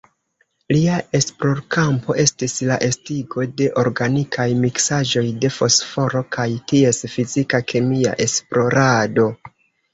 Lia esplorkampo estis la estigo de organikaj miksaĵoj de fosforo kaj ties fizika-kemia esplorado.